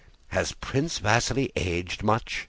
"Has Prince Vasíli aged much?"